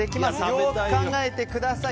よく考えてください。